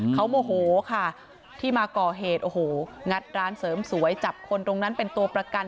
เขาโมโหค่ะที่มาก่อเหตุโอ้โหงัดร้านเสริมสวยจับคนตรงนั้นเป็นตัวประกัน